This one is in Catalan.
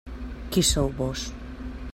Qui sou vós?